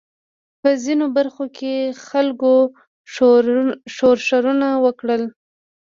په ځینو برخو کې خلکو ښورښونه وکړل.